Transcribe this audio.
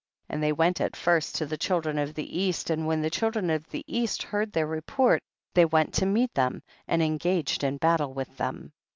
4L And they went at first to the children of the east, and when the children of the east heard their report, they went to meet them, and engaged in battle with them.